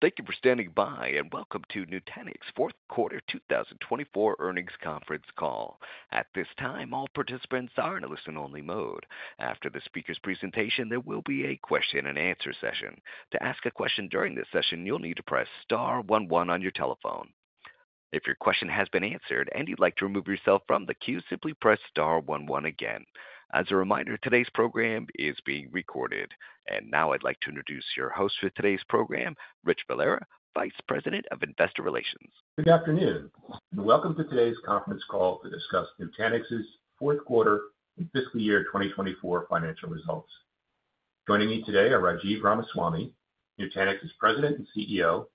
Thank you for standing by, and welcome to Nutanix's fourth quarter two thousand and twenty-four earnings conference call. At this time, all participants are in a listen-only mode. After the speaker's presentation, there will be a question-and-answer session. To ask a question during this session, you'll need to press star one one on your telephone. If your question has been answered and you'd like to remove yourself from the queue, simply press star one one again. As a reminder, today's program is being recorded. And now I'd like to introduce your host for today's program, Rich Valera, Vice President of Investor Relations. Good afternoon, and welcome to today's conference call to discuss Nutanix's fourth quarter and fiscal year twenty twenty-four financial results. Joining me today are Rajiv Ramaswami, Nutanix's President and CEO,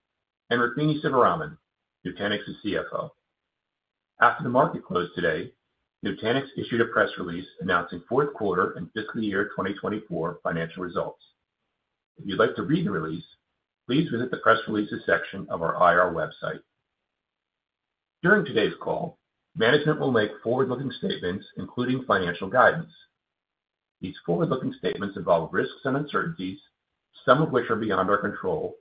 and Rukmini Sivaraman, Nutanix's CFO. After the market closed today, Nutanix issued a press release announcing fourth quarter and fiscal year twenty twenty-four financial results. If you'd like to read the release, please visit the press releases section of our IR website. During today's call, management will make forward-looking statements, including financial guidance. These forward-looking statements involve risks and uncertainties, some of which are beyond our control,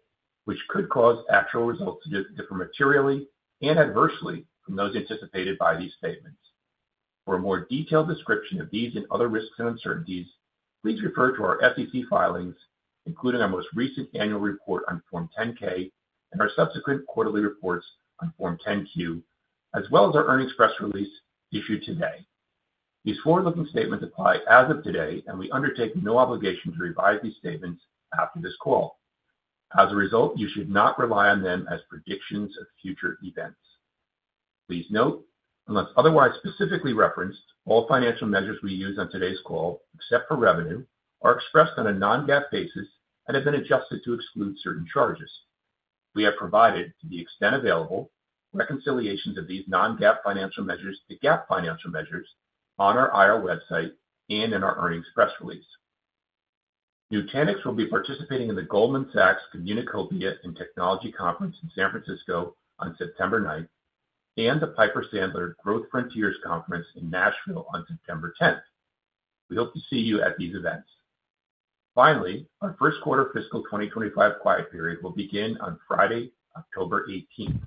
which could cause actual results to differ materially and adversely from those anticipated by these statements. For a more detailed description of these and other risks and uncertainties, please refer to our SEC filings, including our most recent annual report on Form 10-K and our subsequent quarterly reports on Form 10-Q, as well as our earnings press release issued today. These forward-looking statements apply as of today, and we undertake no obligation to revise these statements after this call. As a result, you should not rely on them as predictions of future events. Please note, unless otherwise specifically referenced, all financial measures we use on today's call, except for revenue, are expressed on a non-GAAP basis and have been adjusted to exclude certain charges. We have provided, to the extent available, reconciliations of these non-GAAP financial measures to GAAP financial measures on our IR website and in our earnings press release. Nutanix will be participating in the Goldman Sachs Communacopia and Technology Conference in San Francisco on September ninth, and the Piper Sandler Growth Frontiers Conference in Nashville on September tenth. We hope to see you at these events. Finally, our first quarter fiscal twenty twenty-five quiet period will begin on Friday, October eighteenth.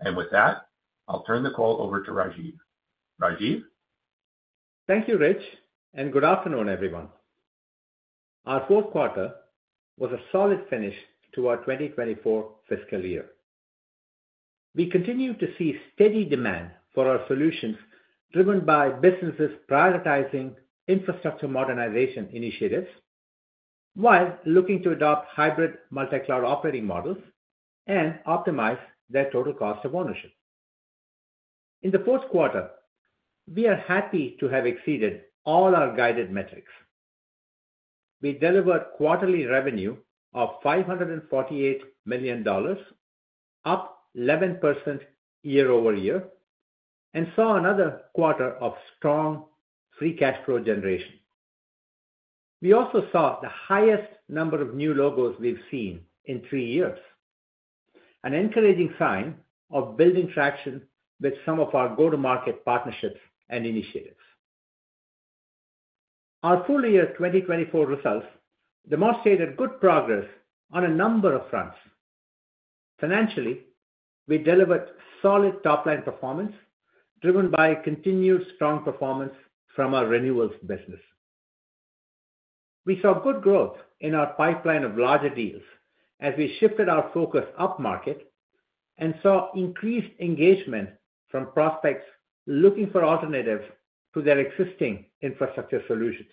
And with that, I'll turn the call over to Rajiv. Rajiv? Thank you, Rich, and good afternoon, everyone. Our fourth quarter was a solid finish to our 2024 fiscal year. We continue to see steady demand for our solutions, driven by businesses prioritizing infrastructure modernization initiatives, while looking to adopt hybrid multi-cloud operating models and optimize their total cost of ownership. In the fourth quarter, we are happy to have exceeded all our guided metrics. We delivered quarterly revenue of $548 million, up 11% year over year, and saw another quarter of strong free cash flow generation. We also saw the highest number of new logos we've seen in three years, an encouraging sign of building traction with some of our go-to-market partnerships and initiatives. Our full year 2024 results demonstrated good progress on a number of fronts. Financially, we delivered solid top-line performance, driven by continued strong performance from our renewals business. We saw good growth in our pipeline of larger deals as we shifted our focus upmarket and saw increased engagement from prospects looking for alternatives to their existing infrastructure solutions.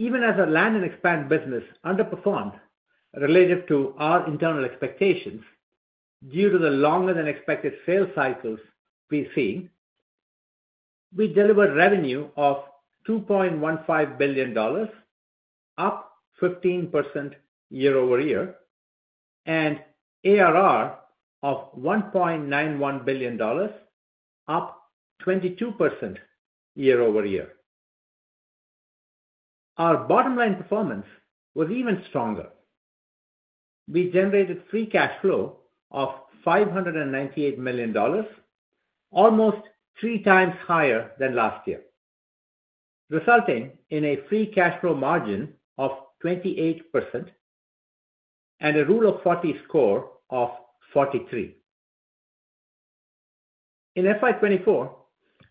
Even as our land and expand business underperformed relative to our internal expectations due to the longer than expected sales cycles we've seen, we delivered revenue of $2.15 billion, up 15% year over year, and ARR of $1.91 billion, up 22% year over year. Our bottom line performance was even stronger. We generated free cash flow of $598 million, almost three times higher than last year, resulting in a free cash flow margin of 28% and a Rule of 40 score of 43. In FY twenty-four,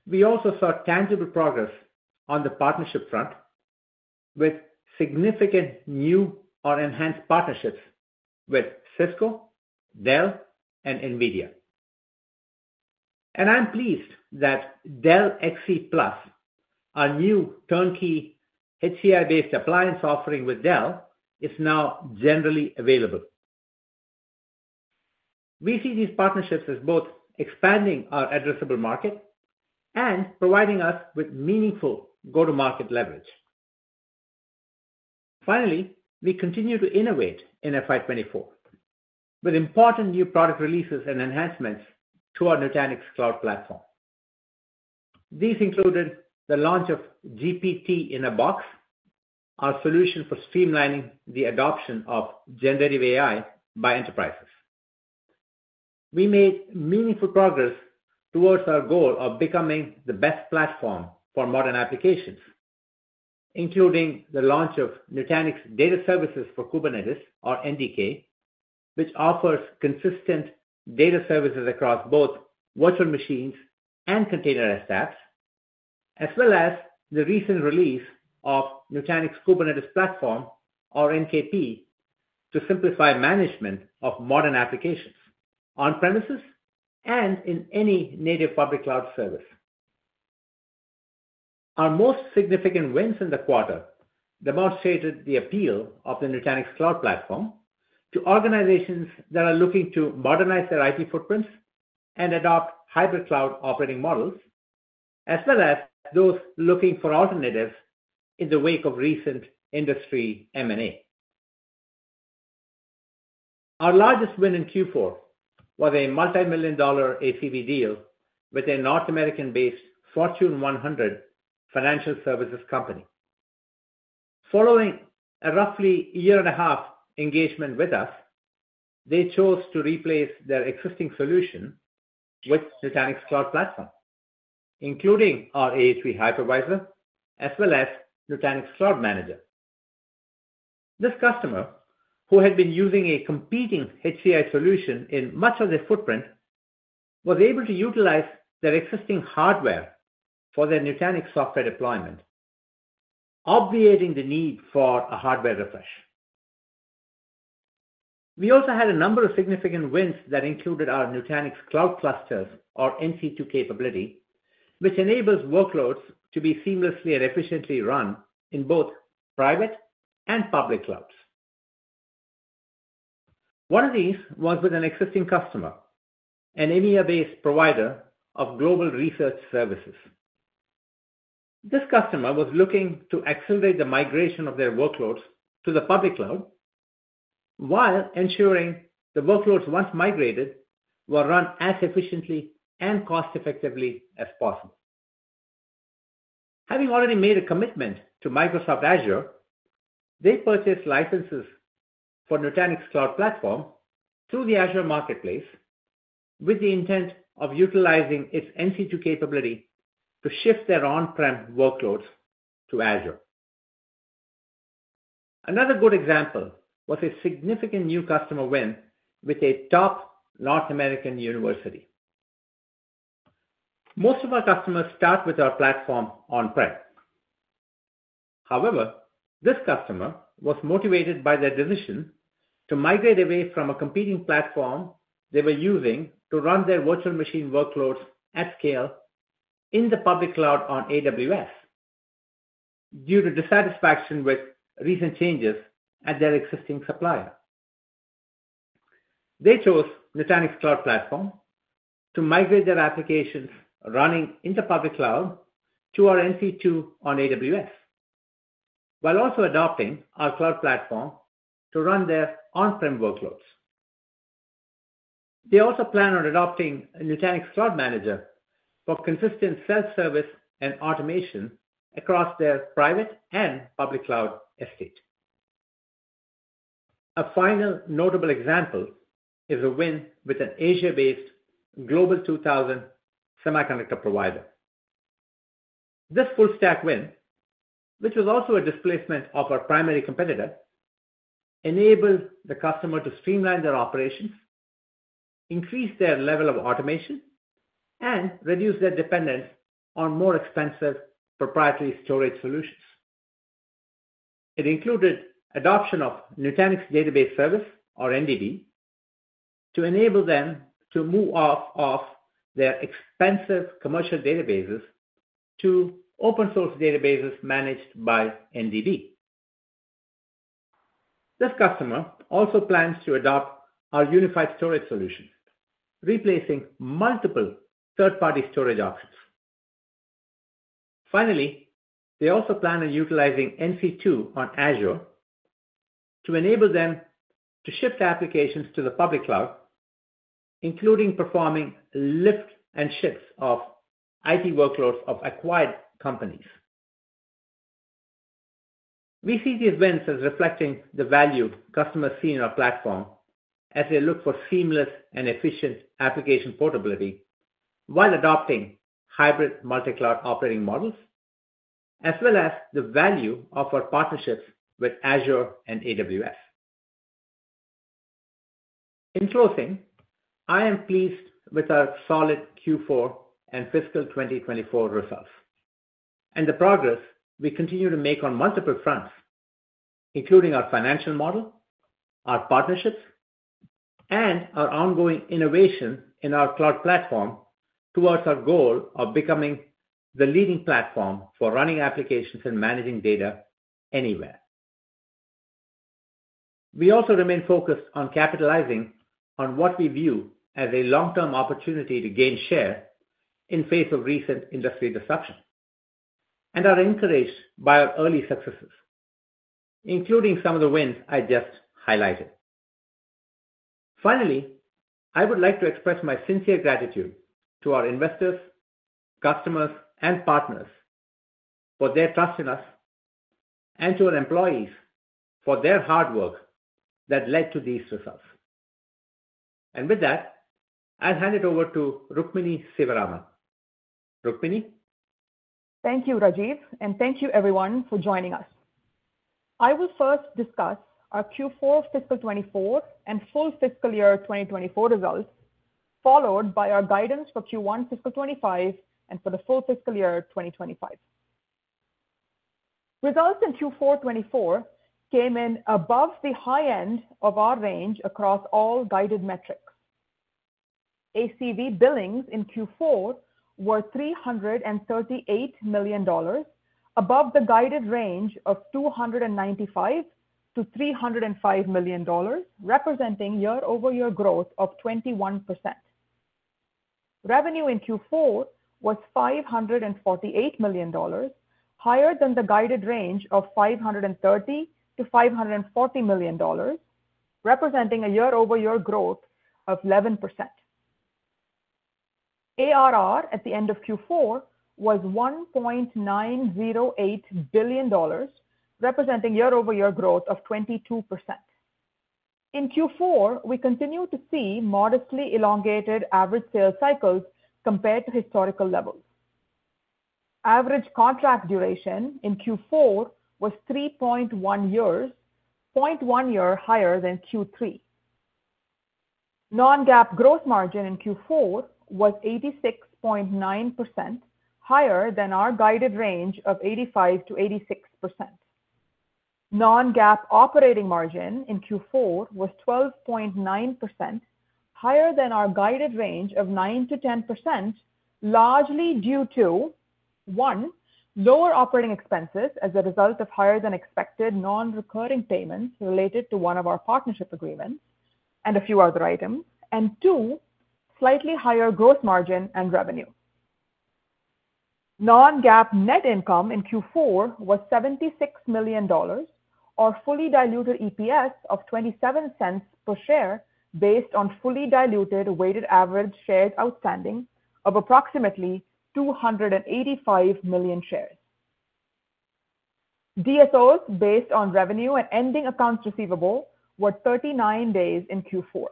we also saw tangible progress on the partnership front, with significant new or enhanced partnerships with Cisco, Dell, and NVIDIA. And I'm pleased that Dell XC Plus, our new turnkey HCI-based appliance offering with Dell, is now generally available. We see these partnerships as both expanding our addressable market and providing us with meaningful go-to-market leverage. Finally, we continue to innovate in FY twenty-four, with important new product releases and enhancements to our Nutanix cloud platform. These included the launch of GPT-in-a-Box, our solution for streamlining the adoption of generative AI by enterprises... We made meaningful progress towards our goal of becoming the best platform for modern applications, including the launch of Nutanix Data Services for Kubernetes or NDK, which offers consistent data services across both virtual machines and containerized apps, as well as the recent release of Nutanix Kubernetes Platform, or NKP, to simplify management of modern applications on-premises and in any native public cloud service. Our most significant wins in the quarter demonstrated the appeal of the Nutanix Cloud Platform to organizations that are looking to modernize their IT footprints and adopt hybrid cloud operating models, as well as those looking for alternatives in the wake of recent industry M&A. Our largest win in Q4 was a multimillion-dollar ACV deal with a North American-based Fortune 100 financial services company. Following roughly a year-and-a-half engagement with us, they chose to replace their existing solution with Nutanix Cloud Platform, including our AHV hypervisor, as well as Nutanix Cloud Manager. This customer, who had been using a competing HCI solution in much of their footprint, was able to utilize their existing hardware for their Nutanix software deployment, obviating the need for a hardware refresh. We also had a number of significant wins that included our Nutanix Cloud Clusters, or NC2 capability, which enables workloads to be seamlessly and efficiently run in both private and public clouds. One of these was with an existing customer, an EMEA-based provider of global research services. This customer was looking to accelerate the migration of their workloads to the public cloud, while ensuring the workloads, once migrated, were run as efficiently and cost-effectively as possible. Having already made a commitment to Microsoft Azure, they purchased licenses for Nutanix Cloud Platform through the Azure Marketplace, with the intent of utilizing its NC2 capability to shift their on-prem workloads to Azure. Another good example was a significant new customer win with a top North American university. Most of our customers start with our platform on-prem. However, this customer was motivated by their decision to migrate away from a competing platform they were using to run their virtual machine workloads at scale in the public cloud on AWS due to dissatisfaction with recent changes at their existing supplier. They chose Nutanix Cloud Platform to migrate their applications running in the public cloud to our NC2 on AWS, while also adopting our cloud platform to run their on-prem workloads. They also plan on adopting a Nutanix Cloud Manager for consistent self-service and automation across their private and public cloud estate. A final notable example is a win with an Asia-based Global Two Thousand semiconductor provider. This full stack win, which was also a displacement of our primary competitor, enables the customer to streamline their operations, increase their level of automation, and reduce their dependence on more expensive proprietary storage solutions. It included adoption of Nutanix Database Service, or NDB, to enable them to move off of their expensive commercial databases to open source databases managed by NDB. This customer also plans to adopt our unified storage solution, replacing multiple third-party storage options. Finally, they also plan on utilizing NC2 on Azure to enable them to shift applications to the public cloud, including performing lift and shifts of IT workloads of acquired companies. We see these wins as reflecting the value customers see in our platform as they look for seamless and efficient application portability while adopting hybrid multi-cloud operating models, as well as the value of our partnerships with Azure and AWS. In closing, I am pleased with our solid Q4 and fiscal twenty twenty-four results, and the progress we continue to make on multiple fronts, including our financial model, our partnerships, and our ongoing innovation in our cloud platform towards our goal of becoming the leading platform for running applications and managing data anywhere. We also remain focused on capitalizing on what we view as a long-term opportunity to gain share in face of recent industry disruption, and are encouraged by our early successes, including some of the wins I just highlighted. Finally, I would like to express my sincere gratitude to our investors, customers, and partners for their trust in us.... and to our employees for their hard work that led to these results, and with that, I'll hand it over to Rukmini Sivaraman. Rukmini? Thank you, Rajiv, and thank you everyone for joining us. I will first discuss our Q4 fiscal 2024 and full fiscal year twenty twenty-four results, followed by our guidance for Q1 fiscal 2025, and for the full fiscal year twenty twenty-five. Results in Q4 2024 came in above the high end of our range across all guided metrics. ACV billings in Q4 were $338 million, above the guided range of $295 million-$305 million, representing year-over-year growth of 21%. Revenue in Q4 was $548 million, higher than the guided range of $530 million-$540 million, representing a year-over-year growth of 11%. ARR at the end of Q4 was $1.908 billion, representing year-over-year growth of 22%. In Q4, we continued to see modestly elongated average sales cycles compared to historical levels. Average contract duration in Q4 was 3.1 years, 0.1 year higher than Q3. Non-GAAP gross margin in Q4 was 86.9%, higher than our guided range of 85%-86%. Non-GAAP operating margin in Q4 was 12.9%, higher than our guided range of 9%-10%, largely due to, one, lower operating expenses as a result of higher than expected non-recurring payments related to one of our partnership agreements and a few other items, and two, slightly higher gross margin and revenue. Non-GAAP net income in Q4 was $76 million, or fully diluted EPS of $0.27 per share, based on fully diluted weighted average shares outstanding of approximately 285 million shares. DSOs based on revenue and ending accounts receivable were 39 days in Q4.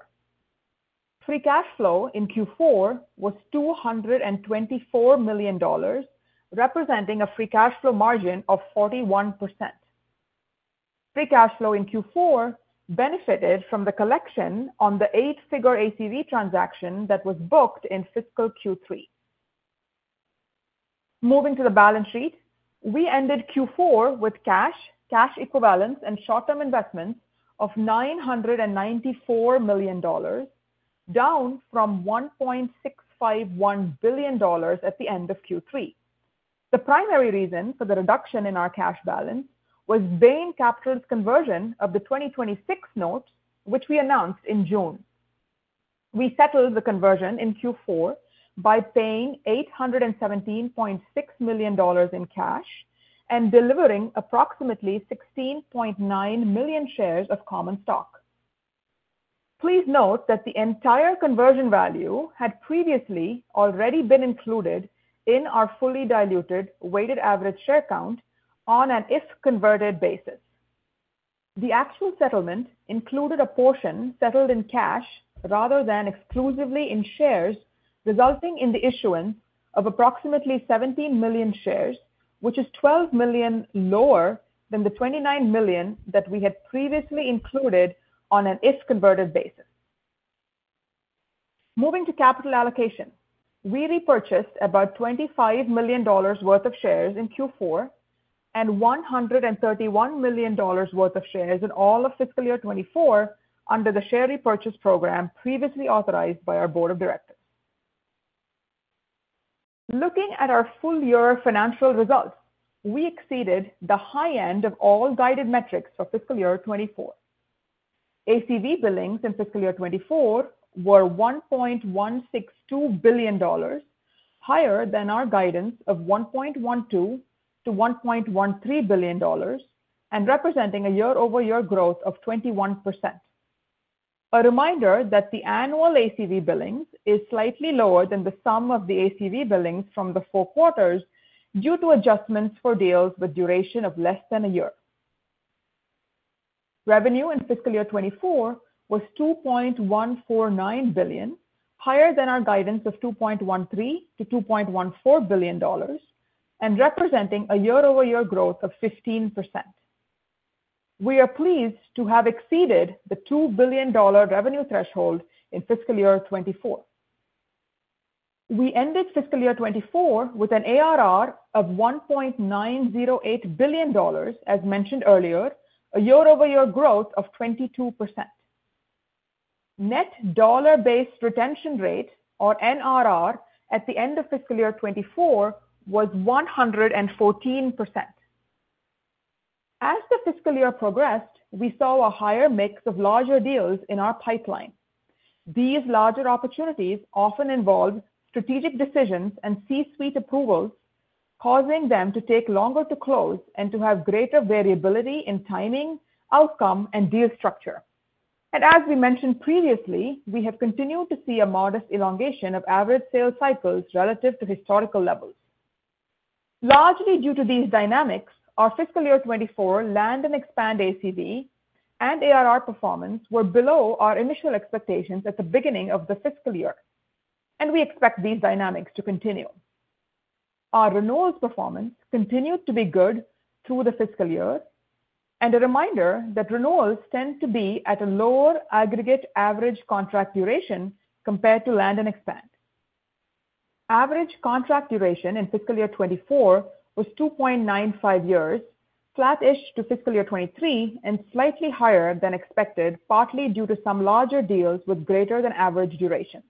Free cash flow in Q4 was $224 million, representing a free cash flow margin of 41%. Free cash flow in Q4 benefited from the collection on the eight-figure ACV transaction that was booked in fiscal Q3. Moving to the balance sheet. We ended Q4 with cash, cash equivalents, and short-term investments of $994 million, down from $1.651 billion at the end of Q3. The primary reason for the reduction in our cash balance was Bain Capital's conversion of the 2026 notes, which we announced in June. We settled the conversion in Q4 by paying $817.6 million in cash and delivering approximately 16.9 million shares of common stock. Please note that the entire conversion value had previously already been included in our fully diluted weighted average share count on an if-converted basis. The actual settlement included a portion settled in cash rather than exclusively in shares, resulting in the issuance of approximately 17 million shares, which is 12 million lower than the 29 million that we had previously included on an if-converted basis. Moving to capital allocation. We repurchased about $25 million worth of shares in Q4, and $131 million worth of shares in all of fiscal year 2024 under the share repurchase program previously authorized by our board of directors. Looking at our full year financial results, we exceeded the high end of all guided metrics for fiscal year 2024. ACV billings in fiscal year 2024 were $1.162 billion, higher than our guidance of $1.12-$1.13 billion, and representing a year-over-year growth of 21%. A reminder that the annual ACV billings is slightly lower than the sum of the ACV billings from the four quarters, due to adjustments for deals with duration of less than a year. Revenue in fiscal year 2024 was $2.149 billion, higher than our guidance of $2.13-$2.14 billion, and representing a year-over-year growth of 15%. We are pleased to have exceeded the $2 billion revenue threshold in fiscal year 2024. We ended fiscal year 2024 with an ARR of $1.908 billion, as mentioned earlier, a year-over-year growth of 22%. Net dollar-based retention rate, or NRR, at the end of fiscal year 2024 was 114%. As the fiscal year progressed, we saw a higher mix of larger deals in our pipeline. These larger opportunities often involve strategic decisions and C-suite approvals, causing them to take longer to close and to have greater variability in timing, outcome, and deal structure, and as we mentioned previously, we have continued to see a modest elongation of average sales cycles relative to historical levels. Largely due to these dynamics, our fiscal year 2024 land and expand ACV and ARR performance were below our initial expectations at the beginning of the fiscal year, and we expect these dynamics to continue. Our renewals performance continued to be good through the fiscal year, and a reminder that renewals tend to be at a lower aggregate average contract duration compared to land and expand. Average contract duration in fiscal year 2024 was 2.95 years, flattish to fiscal year 2023, and slightly higher than expected, partly due to some larger deals with greater than average duration.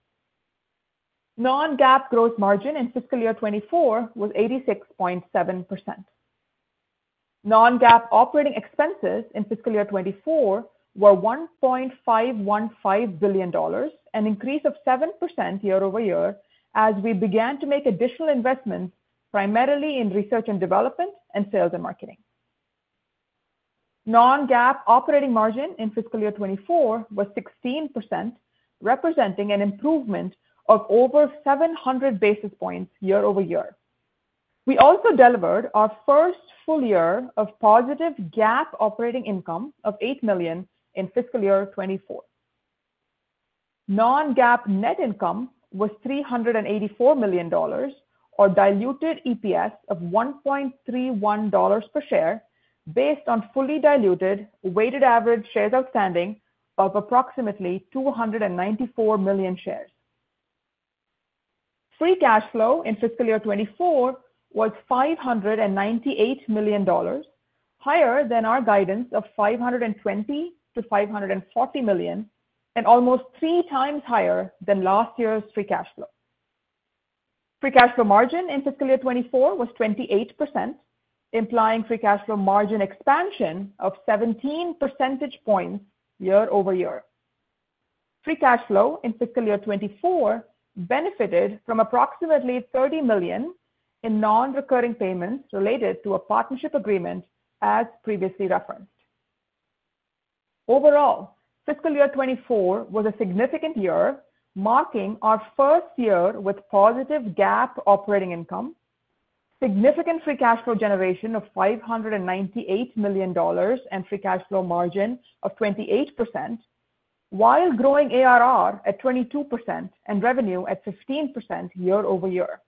Non-GAAP gross margin in fiscal year 2024 was 86.7%. Non-GAAP operating expenses in fiscal year 2024 were $1.515 billion, an increase of 7% year over year, as we began to make additional investments, primarily in research and development and sales and marketing. Non-GAAP operating margin in fiscal year 2024 was 16%, representing an improvement of over 700 basis points year over year. We also delivered our first full year of positive GAAP operating income of $8 million in fiscal year 2024. Non-GAAP net income was $384 million or diluted EPS of $1.31 per share, based on fully diluted weighted average shares outstanding of approximately 294 million shares. Free cash flow in fiscal year 2024 was $598 million, higher than our guidance of $520 million-$540 million, and almost three times higher than last year's free cash flow. Free cash flow margin in fiscal year 2024 was 28%, implying free cash flow margin expansion of 17 percentage points year over year. Free cash flow in fiscal year 2024 benefited from approximately $30 million in non-recurring payments related to a partnership agreement, as previously referenced. Overall, fiscal year 2024 was a significant year, marking our first year with positive GAAP operating income, significant free cash flow generation of $598 million, and free cash flow margin of 28%, while growing ARR at 22% and revenue at 15% year over year.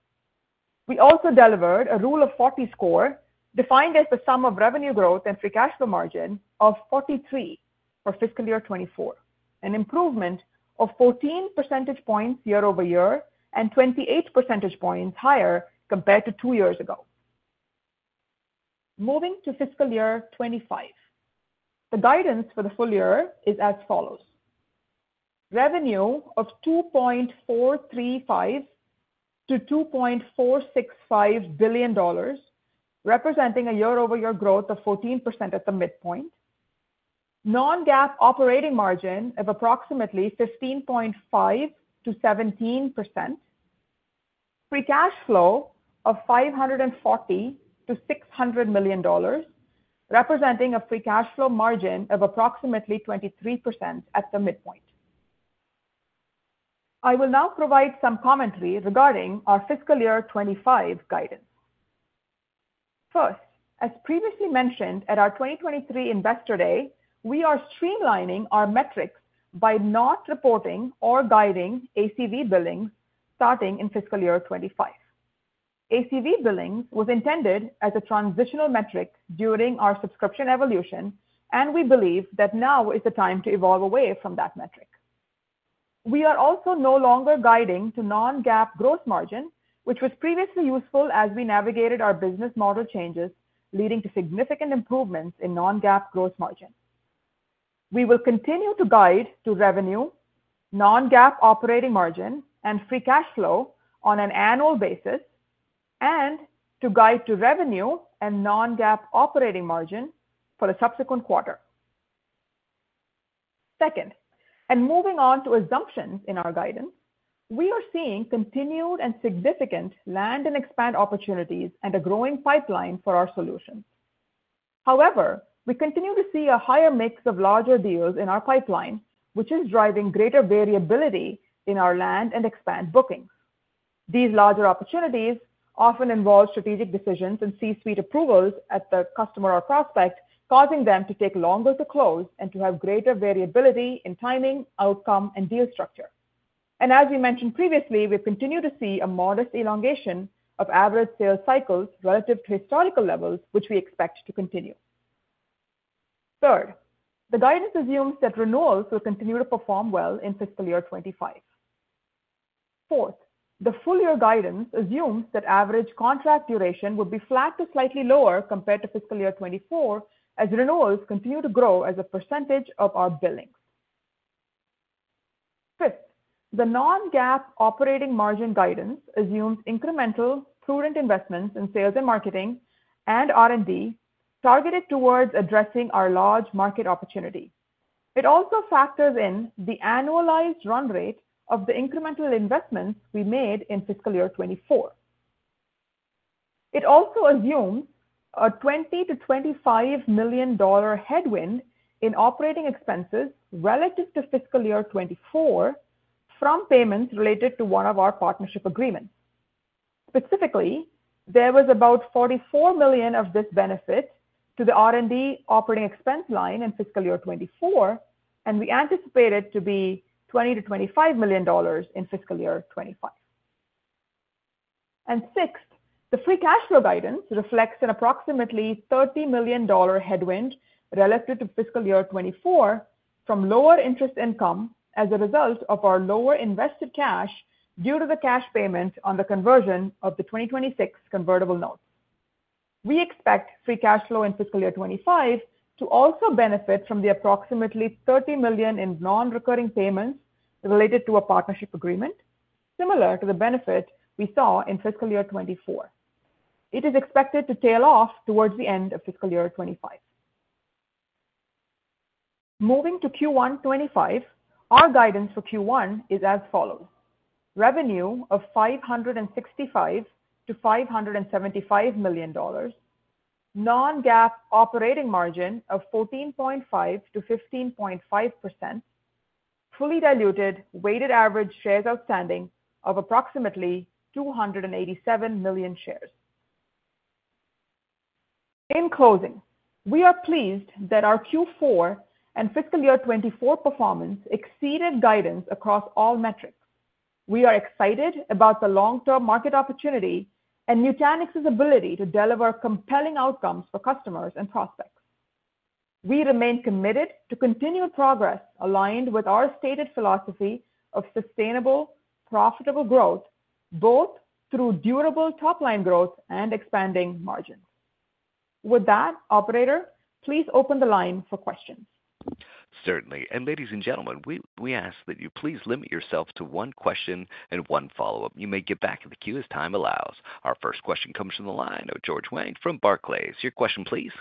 We also delivered a rule of 40 score, defined as the sum of revenue growth and free cash flow margin of 43 for fiscal year 2024, an improvement of 14 percentage points year over year and 28 percentage points higher compared to two years ago. Moving to fiscal year 2025. The guidance for the full year is as follows: Revenue of $2.435-$2.465 billion, representing a year-over-year growth of 14% at the midpoint. Non-GAAP operating margin of approximately 15.5%-17%. Free cash flow of $540 million-$600 million, representing a free cash flow margin of approximately 23% at the midpoint. I will now provide some commentary regarding our fiscal year 2025 guidance. First, as previously mentioned at our 2023 Investor Day, we are streamlining our metrics by not reporting or guiding ACV billings starting in fiscal year 2025. ACV billings was intended as a transitional metric during our subscription evolution, and we believe that now is the time to evolve away from that metric. We are also no longer guiding to non-GAAP gross margin, which was previously useful as we navigated our business model changes, leading to significant improvements in non-GAAP gross margin. We will continue to guide to revenue, non-GAAP operating margin, and free cash flow on an annual basis, and to guide to revenue and non-GAAP operating margin for the subsequent quarter. Second, and moving on to assumptions in our guidance, we are seeing continued and significant land and expand opportunities and a growing pipeline for our solutions. However, we continue to see a higher mix of larger deals in our pipeline, which is driving greater variability in our land and expand bookings. These larger opportunities often involve strategic decisions and C-suite approvals at the customer or prospect, causing them to take longer to close and to have greater variability in timing, outcome, and deal structure, and as we mentioned previously, we continue to see a modest elongation of average sales cycles relative to historical levels, which we expect to continue. Third, the guidance assumes that renewals will continue to perform well in fiscal year 2025. Fourth, the full year guidance assumes that average contract duration will be flat to slightly lower compared to fiscal year 2024, as renewals continue to grow as a percentage of our billings. Fifth, the non-GAAP operating margin guidance assumes incremental prudent investments in sales and marketing and R&D targeted toward addressing our large market opportunity. It also factors in the annualized run rate of the incremental investments we made in fiscal year 2024. It also assumes a $20-$25 million headwind in operating expenses relative to fiscal year 2024, from payments related to one of our partnership agreements. Specifically, there was about $44 million of this benefit to the R&D operating expense line in fiscal year 2024, and we anticipate it to be $20-$25 million in fiscal year 2025. Sixth, the free cash flow guidance reflects an approximately $30 million headwind relative to fiscal year 2024 from lower interest income as a result of our lower invested cash, due to the cash payment on the conversion of the 2026 convertible notes. We expect free cash flow in fiscal year 2025 to also benefit from the approximately $30 million in non-recurring payments related to a partnership agreement, similar to the benefit we saw in fiscal year 2024. It is expected to tail off towards the end of fiscal year 2025. Moving to Q1 2025, our guidance for Q1 is as follows: revenue of $565-$575 million, non-GAAP operating margin of 14.5%-15.5%, fully diluted weighted average shares outstanding of approximately 287 million shares. In closing, we are pleased that our Q4 and fiscal year 2024 performance exceeded guidance across all metrics. We are excited about the long-term market opportunity and Nutanix's ability to deliver compelling outcomes for customers and prospects. We remain committed to continued progress aligned with our stated philosophy of sustainable, profitable growth, both through durable top line growth and expanding margins. With that, operator, please open the line for questions. Certainly. Ladies and gentlemen, we ask that you please limit yourself to one question and one follow-up. You may get back in the queue as time allows. Our first question comes from the line of George Wang from Barclays. Your question, please.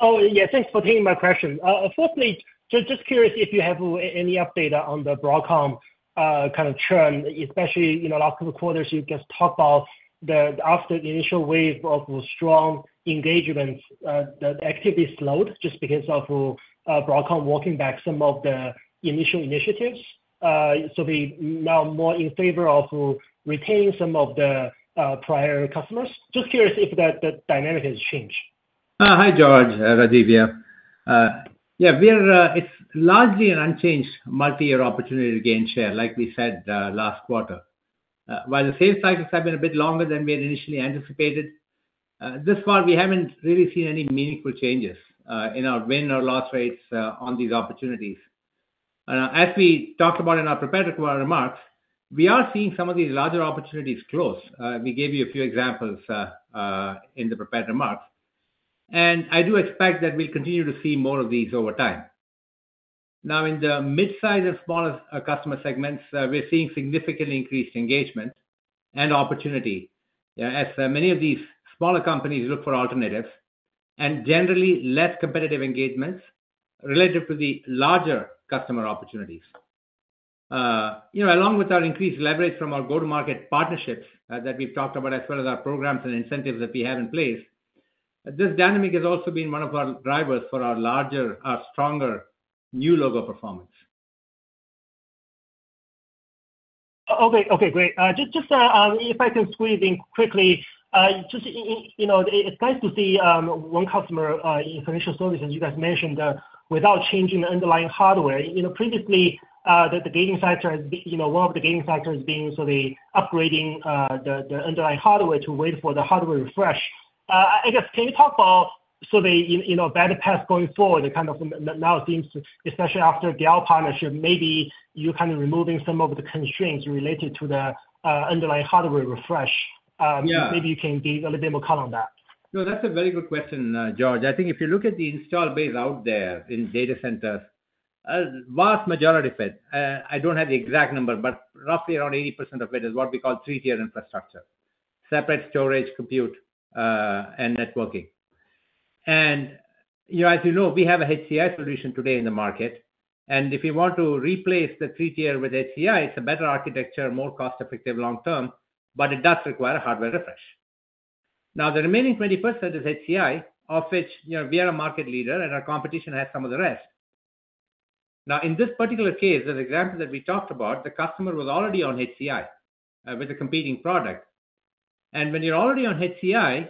Oh, yeah, thanks for taking my question. Firstly, just curious if you have any update on the Broadcom kind of trend, especially, you know, last couple quarters, you just talked about the after the initial wave of strong engagement, the activity slowed just because of Broadcom walking back some of the initial initiatives, so they now more in favor of retaining some of the prior customers. Just curious if that dynamic has changed. Hi, George. Rajiv here. Yeah, it's largely an unchanged multi-year opportunity to gain share, like we said, last quarter. While the sales cycles have been a bit longer than we had initially anticipated, this far, we haven't really seen any meaningful changes in our win or loss rates on these opportunities. As we talked about in our prepared remarks, we are seeing some of these larger opportunities close. We gave you a few examples in the prepared remarks, and I do expect that we'll continue to see more of these over time. Now, in the mid-size and smaller customer segments, we're seeing significantly increased engagement and opportunity as many of these smaller companies look for alternatives, and generally less competitive engagements related to the larger customer opportunities. You know, along with our increased leverage from our go-to-market partnerships, that we've talked about, as well as our programs and incentives that we have in place, this dynamic has also been one of our drivers for our larger, stronger new logo performance. Okay. Okay, great. Just, if I can squeeze in quickly, just, you know, it's nice to see one customer in financial services, as you guys mentioned, without changing the underlying hardware. You know, previously, the gating factor is, you know, one of the gating factors being so the upgrading, the underlying hardware to wait for the hardware refresh. I guess, can you talk about so the, you know, better path going forward, it kind of now seems, especially after the AWS partnership, maybe you're kind of removing some of the constraints related to the underlying hardware refresh. Yeah. Maybe you can give a little bit more color on that. No, that's a very good question, George. I think if you look at the installed base out there in data centers, a vast majority of it, I don't have the exact number, but roughly around 80% of it is what we call three-tier infrastructure, separate storage, compute, and networking. You know, as you know, we have a HCI solution today in the market, and if you want to replace the three-tier with HCI, it's a better architecture, more cost-effective long term, but it does require a hardware refresh. Now, the remaining 20% is HCI, of which, you know, we are a market leader and our competition has some of the rest. Now, in this particular case, the example that we talked about, the customer was already on HCI with a competing product. And when you're already on HCI,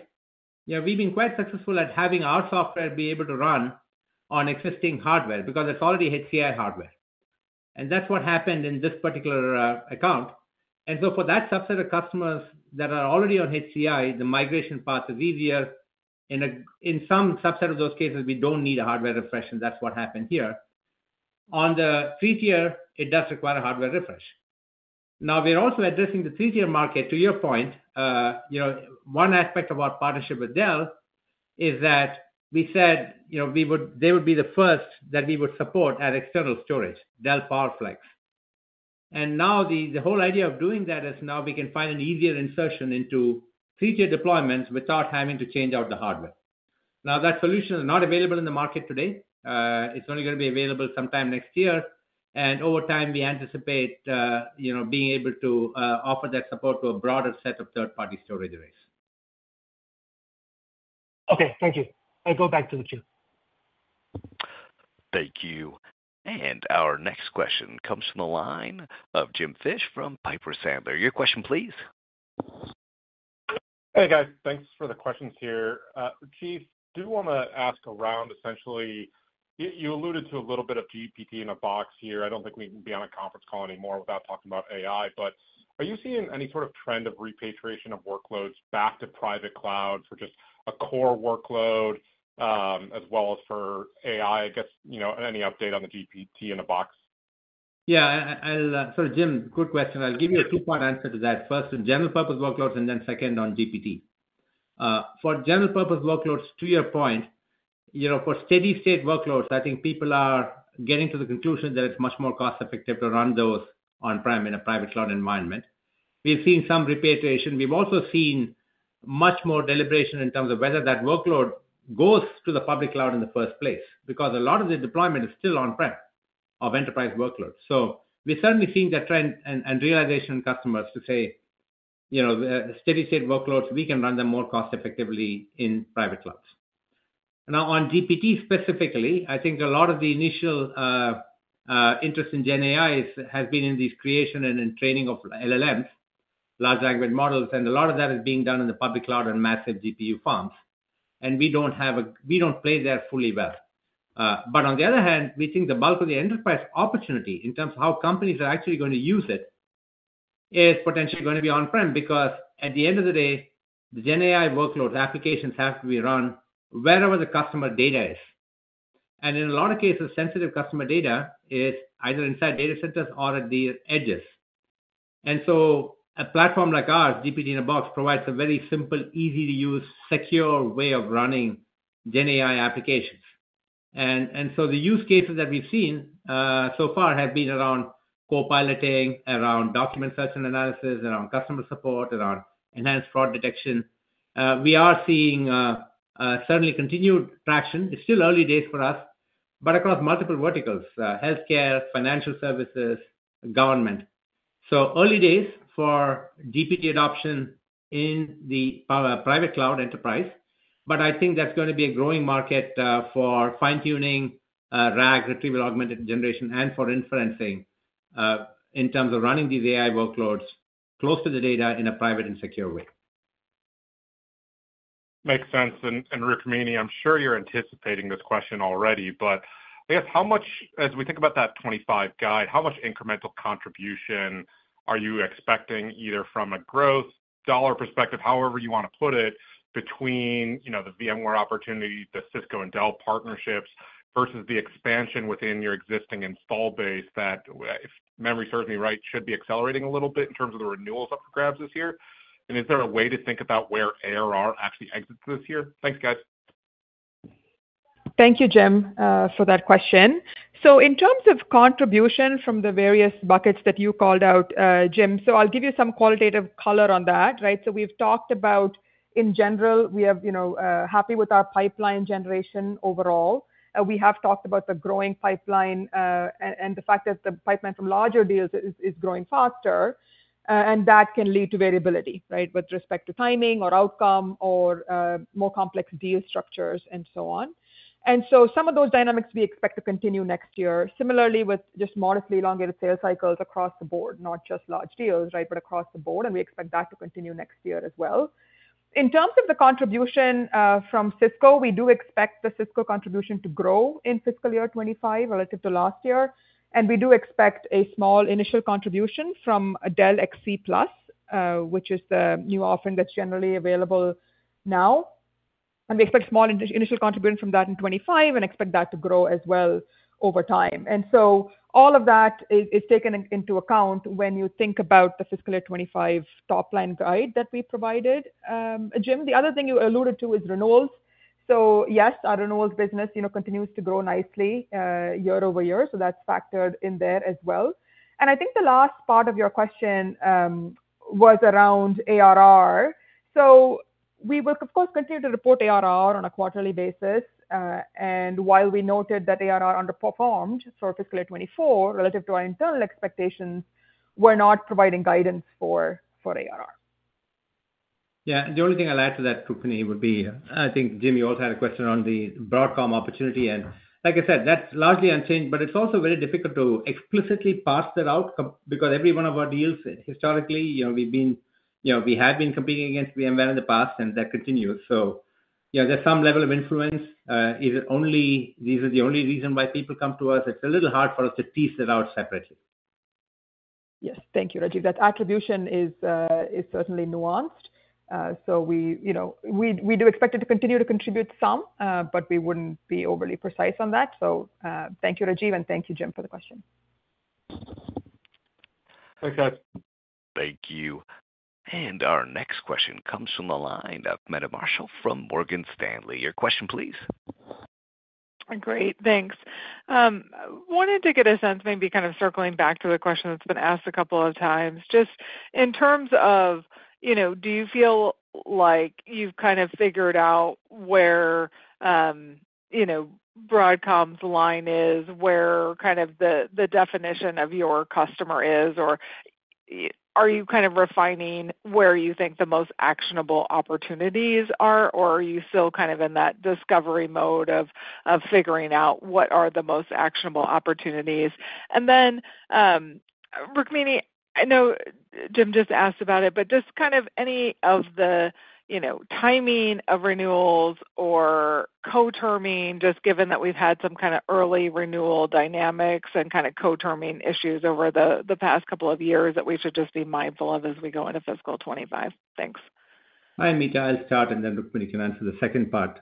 yeah, we've been quite successful at having our software be able to run on existing hardware because it's already HCI hardware. And that's what happened in this particular account. And so for that subset of customers that are already on HCI, the migration path is easier. In some subset of those cases, we don't need a hardware refresh, and that's what happened here. On the three-tier, it does require a hardware refresh. Now, we're also addressing the three-tier market, to your point. You know, one aspect of our partnership with Dell is that we said, you know, we would, they would be the first that we would support our external storage, Dell PowerFlex. And now the whole idea of doing that is now we can find an easier insertion into three-tier deployments without having to change out the hardware. Now, that solution is not available in the market today. It's only gonna be available sometime next year. And over time, we anticipate, you know, being able to offer that support to a broader set of third-party storage arrays. Okay, thank you. I go back to the queue. Thank you. And our next question comes from the line of Jim Fish from Piper Sandler. Your question, please. Hey, guys. Thanks for the questions here. Rajiv, I do wanna ask around essentially, you alluded to a little bit of GPT in a Box here. I don't think we can be on a conference call anymore without talking about AI, but are you seeing any sort of trend of repatriation of workloads back to private cloud for just a core workload, as well as for AI? I guess, you know, any update on the GPT in a Box? So, Jim, good question. I'll give you a two-part answer to that. First, on general purpose workloads, and then second on GPT. For general purpose workloads, to your point, you know, for steady state workloads, I think people are getting to the conclusion that it's much more cost-effective to run those on-prem in a private cloud environment. We've seen some repatriation. We've also seen much more deliberation in terms of whether that workload goes to the public cloud in the first place, because a lot of the deployment is still on-prem, of enterprise workloads. So we're certainly seeing that trend and realization customers to say, "You know, steady-state workloads, we can run them more cost effectively in private clouds." Now, on GPT specifically, I think a lot of the initial interest in GenAI has been in the creation and in training of LLMs, large language models, and a lot of that is being done in the public cloud and massive GPU farms, and we don't play there fully well, but on the other hand, we think the bulk of the enterprise opportunity, in terms of how companies are actually going to use it, is potentially gonna be on-prem. Because at the end of the day, the GenAI workloads applications have to be run wherever the customer data is. In a lot of cases, sensitive customer data is either inside data centers or at the edges. A platform like ours, GPT-in-a-Box, provides a very simple, easy-to-use, secure way of running GenAI applications. The use cases that we've seen so far have been around co-piloting, around document search and analysis, around customer support, around enhanced fraud detection. We are seeing certainly continued traction. It's still early days for us, but across multiple verticals: healthcare, financial services, government. Early days for GPT adoption in the powerful private cloud enterprise, but I think that's gonna be a growing market for fine-tuning, RAG, retrieval-augmented generation, and for inferencing in terms of running these AI workloads close to the data in a private and secure way. Makes sense. And Rukmini, I'm sure you're anticipating this question already, but I guess how much, as we think about that twenty-five guide, how much incremental contribution are you expecting, either from a growth dollar perspective, however you wanna put it, between, you know, the VMware opportunity, the Cisco and Dell partnerships, versus the expansion within your existing install base, that, if memory serves me right, should be accelerating a little bit in terms of the renewals up for grabs this year? Is there a way to think about where ARR actually exits this year? Thanks, guys. Thank you, Jim, for that question, so in terms of contribution from the various buckets that you called out, Jim, so I'll give you some qualitative color on that, right? So we've talked about, in general, we have, you know, happy with our pipeline generation overall. We have talked about the growing pipeline and the fact that the pipeline from larger deals is growing faster and that can lead to variability, right? With respect to timing or outcome or more complex deal structures and so on, and so some of those dynamics we expect to continue next year, similarly with just modestly elongated sales cycles across the board, not just large deals, right, but across the board, and we expect that to continue next year as well. In terms of the contribution from Cisco, we do expect the Cisco contribution to grow in fiscal year 2025 relative to last year, and we do expect a small initial contribution from a Dell XC Plus, which is the new offering that's generally available now. And we expect small initial contribution from that in 2025 and expect that to grow as well over time. And so all of that is taken into account when you think about the fiscal year 2025 top-line guide that we provided. Jim, the other thing you alluded to is renewals. So yes, our renewals business you know continues to grow nicely year over year, so that's factored in there as well. And I think the last part of your question was around ARR. We will, of course, continue to report ARR on a quarterly basis, and while we noted that ARR underperformed for fiscal year 2024 relative to our internal expectations, we're not providing guidance for ARR. Yeah, the only thing I'll add to that, Rukmini, would be, I think, Jim, you also had a question on the Broadcom opportunity, and like I said, that's largely unchanged, but it's also very difficult to explicitly parse that out because every one of our deals, historically, you know, we've been, you know, we have been competing against VMware in the past, and that continues. So, you know, there's some level of influence. Is it only these are the only reason why people come to us? It's a little hard for us to tease that out separately. Yes. Thank you, Rajiv. That attribution is certainly nuanced. So we, you know, we do expect it to continue to contribute some, but we wouldn't be overly precise on that. So, thank you, Rajiv, and thank you, Jim, for the question. Thanks, guys. Thank you. And our next question comes from the line of Meta Marshall from Morgan Stanley. Your question, please?... Great, thanks. Wanted to get a sense, maybe kind of circling back to the question that's been asked a couple of times, just in terms of, you know, do you feel like you've kind of figured out where, you know, Broadcom's line is, where kind of the definition of your customer is? Or are you kind of refining where you think the most actionable opportunities are? Or are you still kind of in that discovery mode of figuring out what are the most actionable opportunities? And then, Rukmini, I know Jim just asked about it, but just kind of any of the, you know, timing of renewals or co-terming, just given that we've had some kind of early renewal dynamics and kind of co-terming issues over the past couple of years, that we should just be mindful of as we go into fiscal twenty-five. Thanks. Hi, Meta. I'll start, and then Rukmini can answer the second part.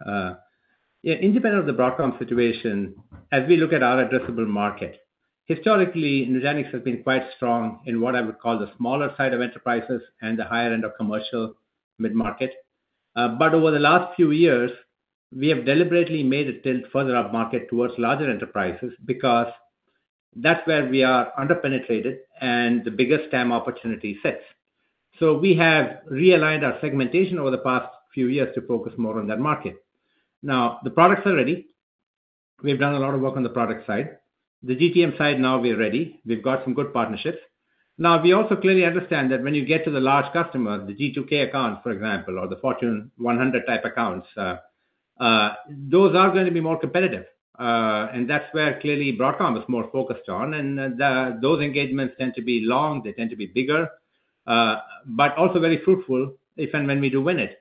Yeah, independent of the Broadcom situation, as we look at our addressable market, historically, Nutanix has been quite strong in what I would call the smaller side of enterprises and the higher end of commercial mid-market. But over the last few years, we have deliberately made a tilt further upmarket towards larger enterprises because that's where we are under-penetrated and the biggest TAM opportunity sits. So we have realigned our segmentation over the past few years to focus more on that market. Now, the products are ready. We've done a lot of work on the product side. The GTM side, now we are ready. We've got some good partnerships. Now, we also clearly understand that when you get to the large customer, the G2K accounts, for example, or the Fortune 100 type accounts, those are going to be more competitive. And that's where clearly Broadcom is more focused on, and those engagements tend to be long, they tend to be bigger, but also very fruitful if and when we do win it.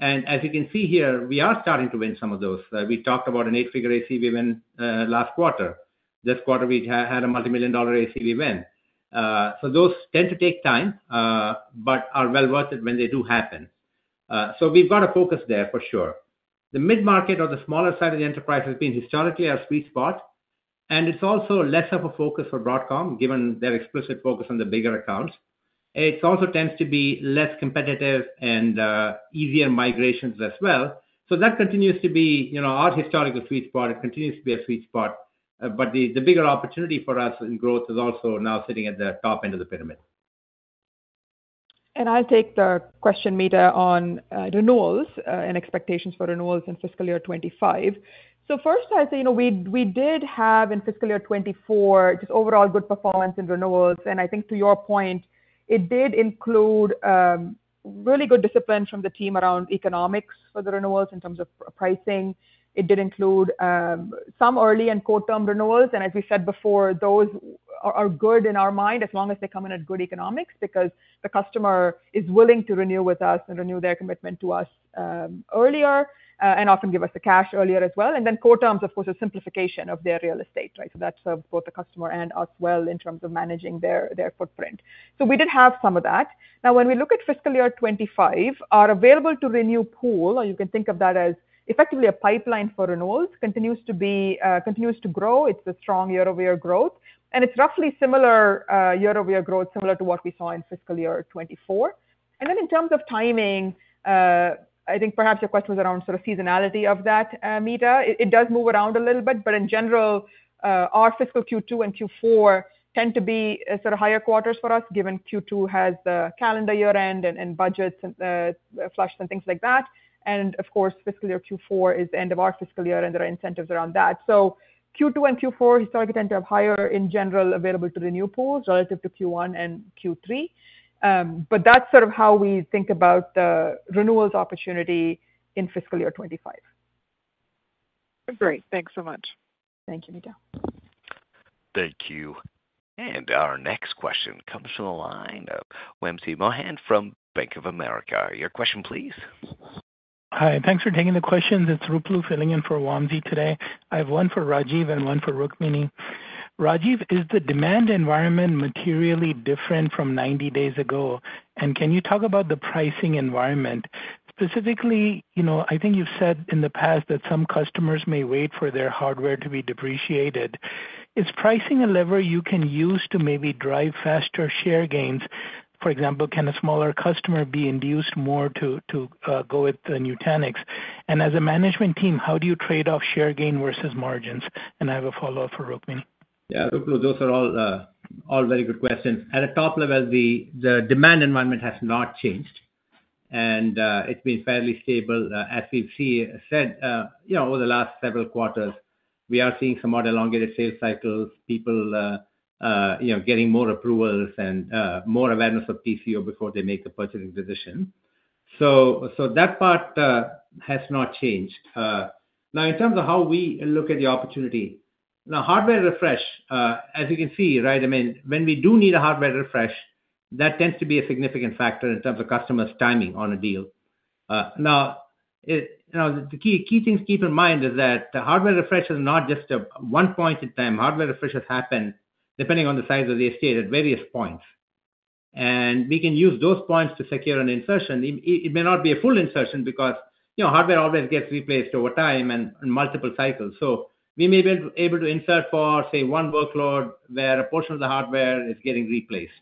And as you can see here, we are starting to win some of those. We talked about an eight-figure ACV win, last quarter. This quarter, we had a multi-million dollar ACV win. So those tend to take time, but are well worth it when they do happen. So we've got a focus there, for sure. The mid-market or the smaller side of the enterprise has been historically our sweet spot, and it's also less of a focus for Broadcom, given their explicit focus on the bigger accounts. It also tends to be less competitive and easier migrations as well. So that continues to be, you know, our historical sweet spot. It continues to be a sweet spot, but the bigger opportunity for us in growth is also now sitting at the top end of the pyramid. I'll take the question, Meta, on renewals and expectations for renewals in fiscal year 2025. First, I'd say, you know, we did have, in fiscal year 2024, just overall good performance in renewals. I think to your point, it did include really good discipline from the team around economics for the renewals in terms of pricing. It did include some early and co-term renewals, and as we said before, those are good in our mind, as long as they come in at good economics, because the customer is willing to renew with us and renew their commitment to us earlier and often give us the cash earlier as well. Quote terms, of course, are simplification of their real estate, right? That serves both the customer and us well in terms of managing their footprint. So we did have some of that. Now, when we look at fiscal year 2025, our available to renew pool, or you can think of that as effectively a pipeline for renewals, continues to be, continues to grow. It's a strong year-over-year growth, and it's roughly similar year-over-year growth, similar to what we saw in fiscal year 2024. And then in terms of timing, I think perhaps your question was around sort of seasonality of that, Meta. It does move around a little bit, but in general, our fiscal Q2 and Q4 tend to be sort of higher quarters for us, given Q2 has the calendar year end and budgets flush, and things like that. And of course, fiscal year Q4 is the end of our fiscal year, and there are incentives around that. So Q2 and Q4 historically tend to have higher in general, available to renew pools, relative to Q1 and Q3. But that's sort of how we think about the renewals opportunity in fiscal year 2025. Great. Thanks so much. Thank you, Meta. Thank you. And our next question comes from the line of Wamsi Mohan from Bank of America. Your question, please. Hi, thanks for taking the questions. It's Ruplu filling in for Wamsi today. I have one for Rajiv and one for Rukmini. Rajiv, is the demand environment materially different from ninety days ago? And can you talk about the pricing environment? Specifically, you know, I think you've said in the past that some customers may wait for their hardware to be depreciated. Is pricing a lever you can use to maybe drive faster share gains? For example, can a smaller customer be induced more to go with Nutanix? And as a management team, how do you trade off share gain versus margins? And I have a follow-up for Rukmini. Yeah, Ruplu, those are all, all very good questions. At a top level, the demand environment has not changed, and it's been fairly stable. As we've said, you know, over the last several quarters, we are seeing some more elongated sales cycles, people, you know, getting more approvals and more awareness of TCO before they make a purchasing decision. So that part has not changed. Now, in terms of how we look at the opportunity. Now, hardware refresh, as you can see, right, I mean, when we do need a hardware refresh, that tends to be a significant factor in terms of customers' timing on a deal. Now, you know, the key things to keep in mind is that hardware refresh is not just a one point in time. Hardware refreshes happen depending on the size of the estate at various points, and we can use those points to secure an insertion. It may not be a full insertion because, you know, hardware always gets replaced over time and in multiple cycles. So we may be able to insert for, say, one workload where a portion of the hardware is getting replaced,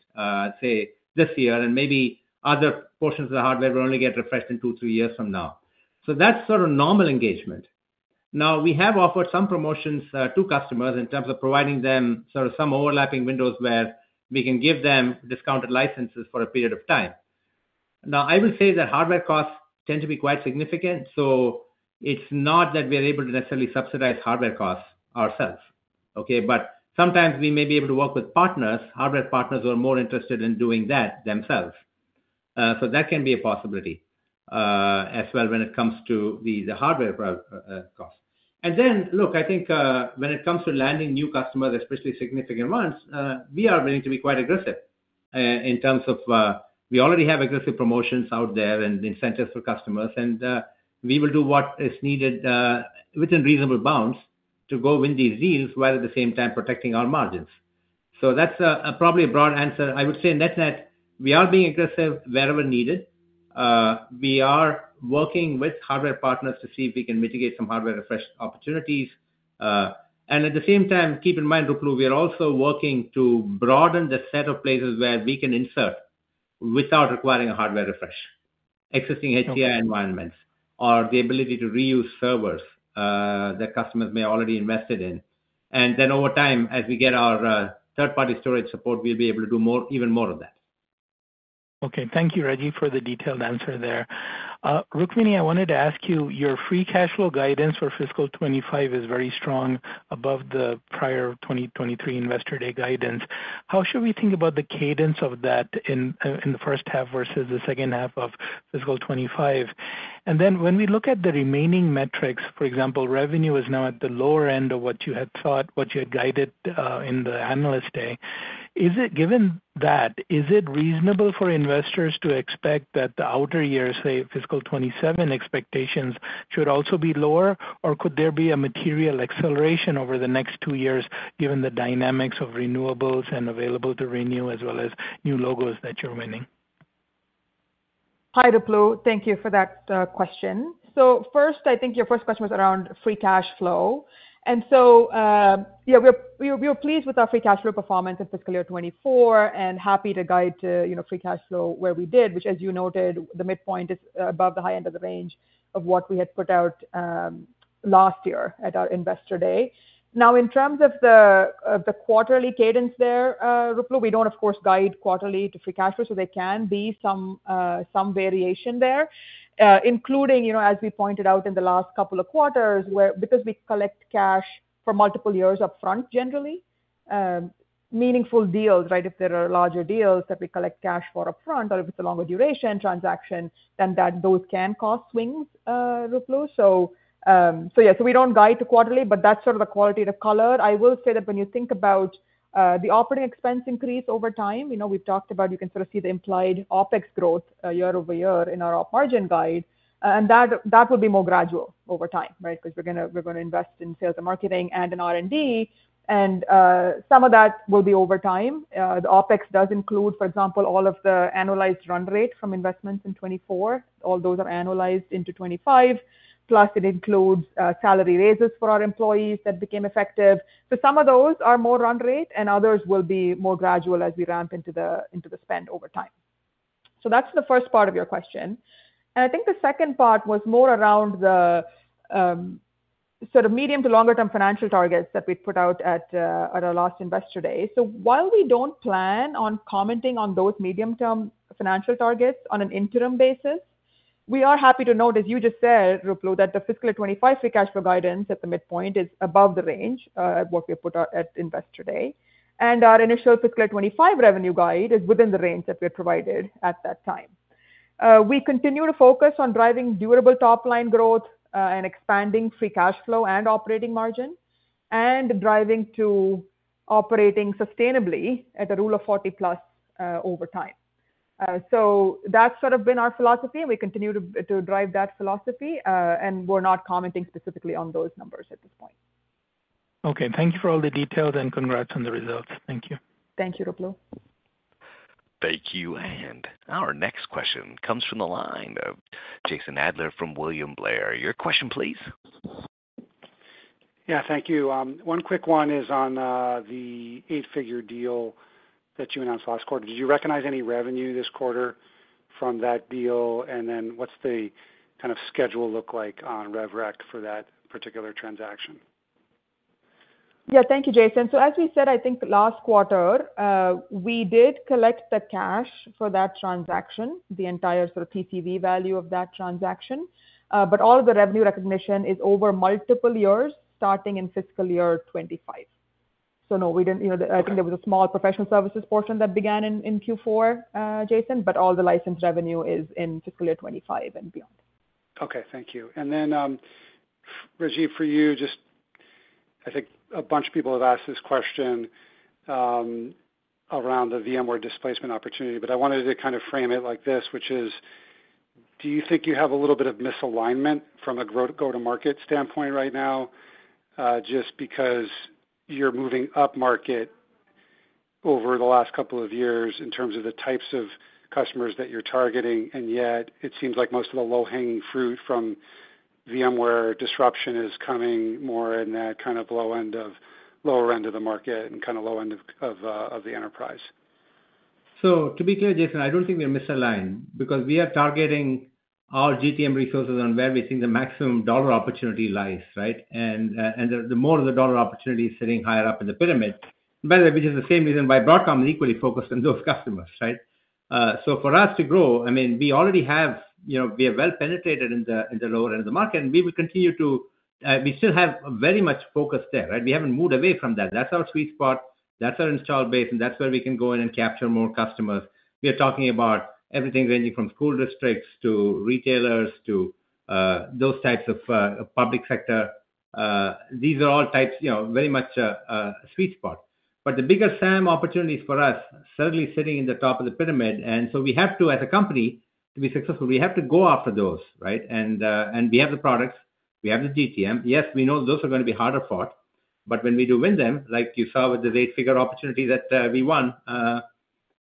say, this year, and maybe other portions of the hardware will only get refreshed in two, three years from now. So that's sort of normal engagement. Now, we have offered some promotions to customers in terms of providing them sort of some overlapping windows where we can give them discounted licenses for a period of time. Now, I will say that hardware costs tend to be quite significant, so it's not that we are able to necessarily subsidize hardware costs ourselves, okay? But sometimes we may be able to work with partners, hardware partners, who are more interested in doing that themselves. So that can be a possibility, as well, when it comes to the hardware costs. Then, look, I think, when it comes to landing new customers, especially significant ones, we are willing to be quite aggressive, in terms of, we already have aggressive promotions out there and incentives for customers. We will do what is needed, within reasonable bounds to go win these deals, while at the same time protecting our margins. That's probably a broad answer. I would say net-net, we are being aggressive wherever needed. We are working with hardware partners to see if we can mitigate some hardware refresh opportunities. And at the same time, keep in mind, Ruplu, we are also working to broaden the set of places where we can insert without requiring a hardware refresh. Existing HCI environments or the ability to reuse servers that customers may already invested in. And then over time, as we get our third-party storage support, we'll be able to do more, even more of that. Okay, thank you, Rajiv, for the detailed answer there. Rukmini, I wanted to ask you, your free cash flow guidance for fiscal '25 is very strong, above the prior 2023 Investor Day guidance. How should we think about the cadence of that in the first half versus the second half of fiscal '25? And then when we look at the remaining metrics, for example, revenue is now at the lower end of what you had thought, what you had guided, in the Analyst Day. Is it, given that, reasonable for investors to expect that the outer years, say, fiscal '27 expectations, should also be lower? Or could there be a material acceleration over the next two years, given the dynamics of renewals and available to renew, as well as new logos that you're winning? Hi, Ruplu. Thank you for that question. First, I think your first question was around free cash flow. Yeah, we were pleased with our free cash flow performance in fiscal year 2024, and happy to guide to, you know, free cash flow where we did, which, as you noted, the midpoint is above the high end of the range of what we had put out last year at our Investor Day. Now, in terms of the quarterly cadence there, Ruplu, we don't, of course, guide quarterly to free cash flow, so there can be some variation there. Including, you know, as we pointed out in the last couple of quarters, where because we collect cash for multiple years upfront, generally meaningful deals, right? If there are larger deals that we collect cash for upfront, or if it's a longer duration transaction, then that, those can cause swings, Ruplu, so yeah, we don't guide to quarterly, but that's sort of the qualitative color. I will say that when you think about the operating expense increase over time, you know, we've talked about you can sort of see the implied OpEx growth year over year in our op margin guide, and that will be more gradual over time, right? Because we're gonna invest in sales and marketing and in R&D, and some of that will be over time. The OpEx does include, for example, all of the annualized run rate from investments in 2024. All those are annualized into 2025, plus it includes salary raises for our employees that became effective. So some of those are more run rate, and others will be more gradual as we ramp into the spend over time. So that's the first part of your question. And I think the second part was more around the sort of medium to longer term financial targets that we'd put out at our last Investor Day. So while we don't plan on commenting on those medium-term financial targets on an interim basis, we are happy to note, as you just said, Ruplu, that the fiscal '25 free cash flow guidance at the midpoint is above the range what we put out at Investor Day. And our initial fiscal '25 revenue guide is within the range that we had provided at that time. We continue to focus on driving durable top-line growth, and expanding free cash flow and operating margin, and driving to operating sustainably at a Rule of Forty plus, over time, so that's sort of been our philosophy, and we continue to drive that philosophy, and we're not commenting specifically on those numbers at this point. Okay, thank you for all the details, and congrats on the results. Thank you. Thank you, Ruplu. Thank you, and our next question comes from the line of Jason Ader from William Blair. Your question, please. Yeah, thank you. One quick one is on the eight-figure deal that you announced last quarter. Did you recognize any revenue this quarter from that deal? And then what's the kind of schedule look like on rev rec for that particular transaction? Yeah. Thank you, Jason. So as we said, I think last quarter, we did collect the cash for that transaction, the entire sort of ACV value of that transaction. But all the revenue recognition is over multiple years, starting in fiscal year 2025. So no, we didn't, you know, I think there was a small professional services portion that began in Q4, Jason, but all the license revenue is in fiscal year 2025 and beyond. Okay, thank you. And then, Rajiv, for you, just I think a bunch of people have asked this question around the VMware displacement opportunity, but I wanted to kind of frame it like this, which is: Do you think you have a little bit of misalignment from a go-to-market standpoint right now, just because you're moving upmarket over the last couple of years in terms of the types of customers that you're targeting, and yet it seems like most of the low-hanging fruit from VMware disruption is coming more in that kind of low end of, lower end of the market and kind of low end of the enterprise?... So to be clear, Jason, I don't think we are misaligned because we are targeting our GTM resources on where we think the maximum dollar opportunity lies, right, and the more of the dollar opportunity is sitting higher up in the pyramid. By the way, which is the same reason why Broadcom is equally focused on those customers, right, so for us to grow, I mean, we already have, you know, we are well penetrated in the lower end of the market, and we will continue to, we still have very much focused there, right? We haven't moved away from that. That's our sweet spot, that's our install base, and that's where we can go in and capture more customers. We are talking about everything ranging from school districts to retailers to those types of public sector. These are all types, you know, very much a sweet spot. But the biggest SAM opportunities for us certainly sitting in the top of the pyramid, and so we have to, as a company, to be successful, we have to go after those, right? And we have the products, we have the GTM. Yes, we know those are going to be harder fought, but when we do win them, like you saw with the eight-figure opportunity that we won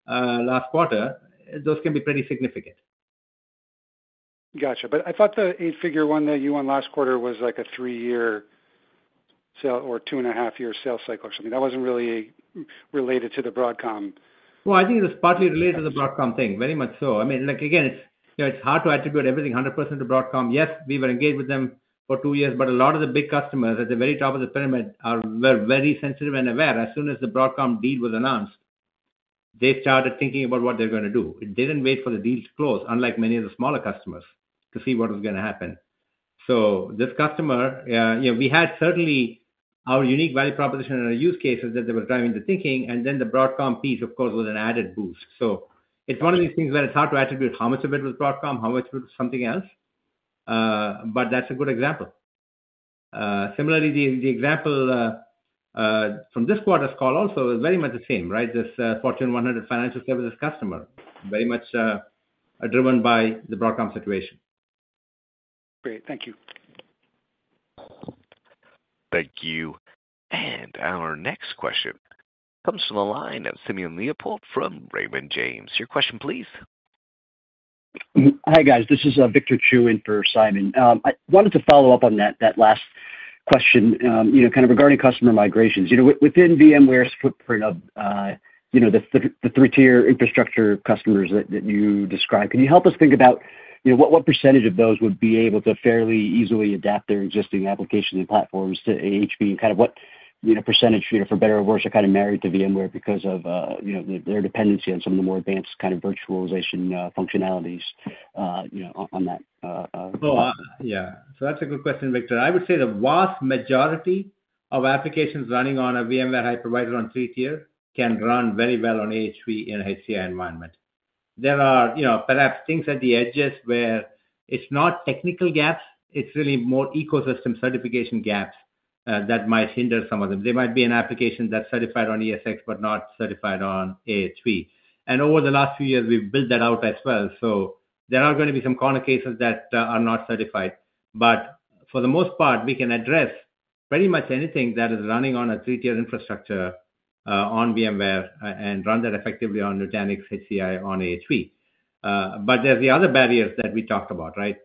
last quarter, those can be pretty significant. Got you. But I thought the eight-figure one that you won last quarter was like a three-year sale or two and a half year sales cycle or something. That wasn't really related to the Broadcom. I think it was partly related to the Broadcom thing. Very much so. I mean, like, again, it's, you know, it's hard to attribute everything 100% to Broadcom. Yes, we were engaged with them for two years, but a lot of the big customers at the very top of the pyramid are, were very sensitive and aware. As soon as the Broadcom deal was announced, they started thinking about what they're going to do. They didn't wait for the deal to close, unlike many of the smaller customers, to see what was going to happen. So this customer, you know, we had certainly our unique value proposition and our use cases that they were driving the thinking, and then the Broadcom piece, of course, was an added boost. It's one of these things where it's hard to attribute how much of it was Broadcom, how much was something else, but that's a good example. Similarly, the example from this quarter's call also is very much the same, right? This Fortune 100 financial services customer, very much driven by the Broadcom situation. Great. Thank you. Thank you. And our next question comes from the line of Simon Leopold from Raymond James. Your question, please. Hi, guys. This is Victor Chiu in for Simeon. I wanted to follow up on that last question, you know, kind of regarding customer migrations. You know, within VMware's footprint of, you know, the three-tier infrastructure customers that you described, can you help us think about, you know, what percentage of those would be able to fairly easily adapt their existing application and platforms to AHV? And kind of what, you know, percentage, you know, for better or worse, are kind of married to VMware because of, you know, their dependency on some of the more advanced kind of virtualization functionalities, you know, on that. Oh, yeah. So that's a good question, Victor. I would say the vast majority of applications running on a VMware hypervisor on three-tier can run very well on AHV in an HCI environment. There are, you know, perhaps things at the edges where it's not technical gaps, it's really more ecosystem certification gaps that might hinder some of them. There might be an application that's certified on ESX but not certified on AHV. And over the last few years, we've built that out as well. So there are going to be some corner cases that are not certified, but for the most part, we can address pretty much anything that is running on a three-tier infrastructure on VMware and run that effectively on Nutanix HCI on AHV. But there's the other barriers that we talked about, right?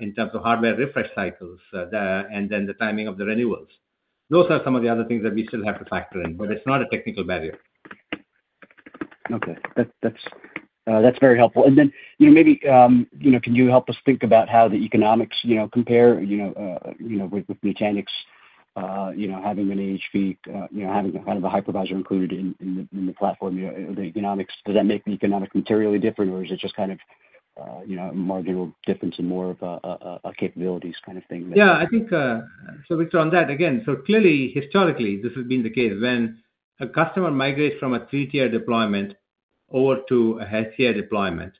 In terms of hardware refresh cycles, and then the timing of the renewals. Those are some of the other things that we still have to factor in, but it's not a technical barrier. Okay. That's very helpful. And then, you know, maybe, you know, can you help us think about how the economics, you know, compare, you know, you know, with Nutanix, you know, having an AHV, you know, having kind of a hypervisor included in the platform, you know, the economics. Does that make the economics materially different, or is it just kind of, you know, a marginal difference and more of a capabilities kind of thing? Yeah, I think, so Victor, on that again, so clearly, historically, this has been the case. When a customer migrates from a three-tier deployment over to a HCI deployment,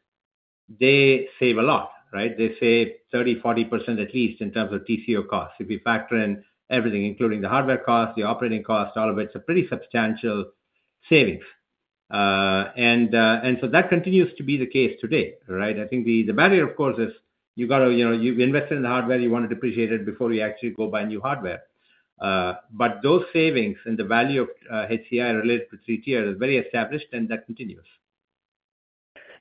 they save a lot, right? They save 30%-40%, at least in terms of TCO costs. If you factor in everything, including the hardware costs, the operating costs, all of it, it's a pretty substantial savings. And so that continues to be the case today, right? I think the barrier, of course, is you got to, you know, you've invested in the hardware, you want to depreciate it before you actually go buy new hardware. But those savings and the value of HCI related to three-tier is very established, and that continues.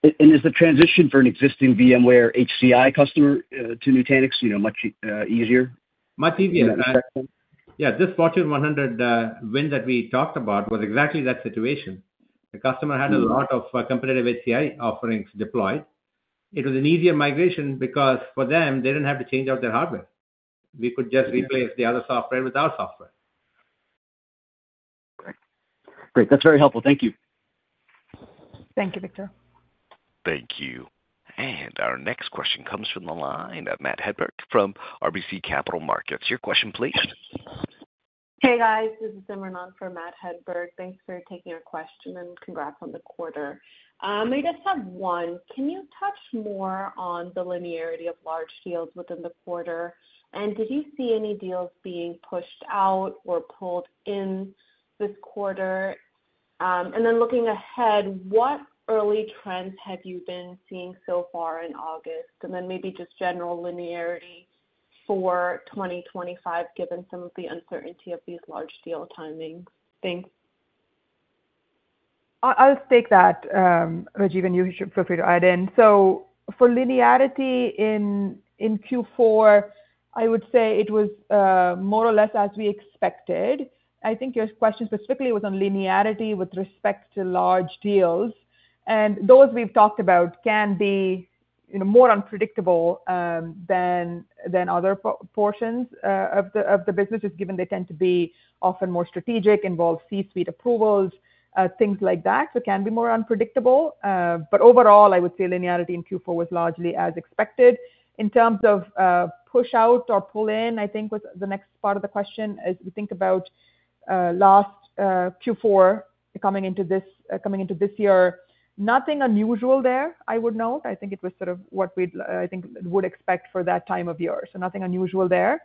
Is the transition for an existing VMware HCI customer to Nutanix, you know, much easier? Much easier. Okay. Yeah, this Fortune 100 win that we talked about was exactly that situation. The customer had a lot of competitive HCI offerings deployed. It was an easier migration because for them, they didn't have to change out their hardware. We could just replace the other software with our software. Great. Great, that's very helpful. Thank you. Thank you, Victor. Thank you. And our next question comes from the line of Matt Hedberg from RBC Capital Markets. Your question, please. Hey, guys. This is Imran for Matt Hedberg. Thanks for taking our question, and congrats on the quarter. I just have one. Can you touch more on the linearity of large deals within the quarter, and did you see any deals being pushed out or pulled in this quarter? and then looking ahead, what early trends have you been seeing so far in August? and then maybe just general linearity for twenty twenty-five, given some of the uncertainty of these large deal timings. Thanks. I'll take that, Rajiv, and you should feel free to add in. So-... For linearity in Q4, I would say it was more or less as we expected. I think your question specifically was on linearity with respect to large deals, and those we've talked about can be, you know, more unpredictable than other portions of the business, just given they tend to be often more strategic, involve C-suite approvals, things like that. So it can be more unpredictable. But overall, I would say linearity in Q4 was largely as expected. In terms of push out or pull in, I think was the next part of the question, as we think about last Q4 coming into this year, nothing unusual there, I would note. I think it was sort of what we'd, I think, would expect for that time of year. So nothing unusual there.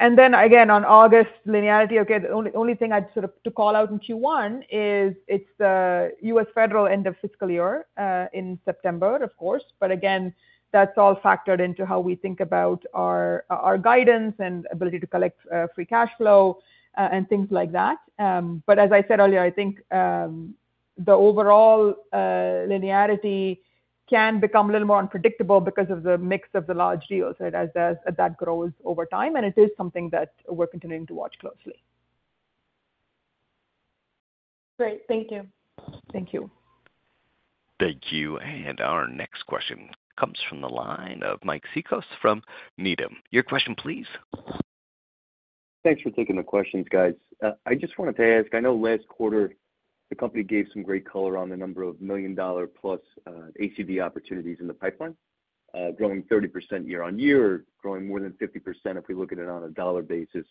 And then again, on August linearity, okay, the only thing I'd sort of to call out in Q1 is it's the US federal end of fiscal year, in September, of course. But again, that's all factored into how we think about our guidance and ability to collect free cash flow, and things like that. But as I said earlier, I think the overall linearity can become a little more unpredictable because of the mix of the large deals, right? As that grows over time, and it is something that we're continuing to watch closely. Great. Thank you. Thank you. Thank you. And our next question comes from the line of Mike Cikos from Needham. Your question, please. Thanks for taking the questions, guys. I just wanted to ask, I know last quarter, the company gave some great color on the number of million-dollar-plus ACV opportunities in the pipeline, growing 30% year on year, growing more than 50% if we look at it on a dollar basis.